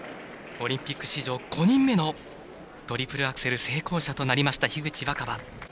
オリンピック史上、５人目のトリプルアクセル成功者となりました、樋口新葉。